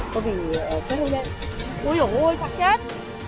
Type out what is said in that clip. tôi nghĩ là chết rồi đấy ui dồi ôi sắp chết